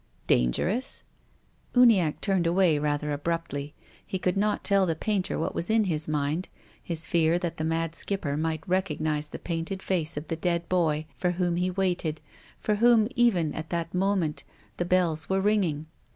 " Dangerous ?" Uniacke turned away rather abruptly. He could not tell the painter what was in his mind, his fear that the mad Skipper might recognise the painted face of the dead boy, for whom he waited, for whom, even at that moment, the bells were ringing.